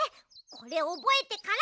これおぼえてから！